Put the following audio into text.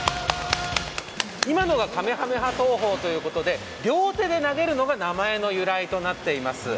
今のが、かめはめ波投法ということで、両手で投げるのが名前の由来となっています。